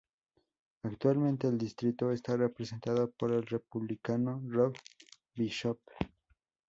Actualmente el distrito está representado por el Republicano Rob Bishop.